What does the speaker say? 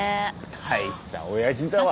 大した親父だわ。